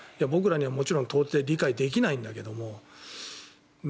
僕らにはもちろん到底理解できないんだけども。